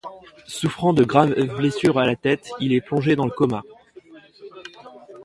Souffrant de graves blessures à la tête, il est plongé dans le coma.